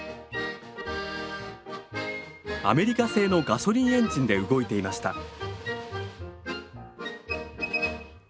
アメリカ製のガソリンエンジンで動いていました。